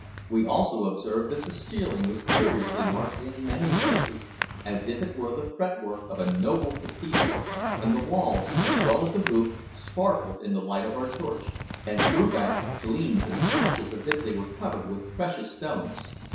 We also observed that the ceiling was curiously marked in many places, as if it were the fretwork of a noble cathedral; and the walls, as well as the roof, sparkled in the light of our torch, and threw back gleams and flashes as if they were covered with precious stones.